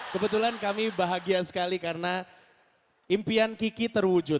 kebetulan kami bahagia sekali karena impian kiki terwujud